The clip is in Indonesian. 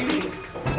selesai motor saya